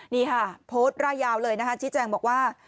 นี่ค่ะโพสต์ร่ายยาวเลยนะคะชี้แจงบอกว่า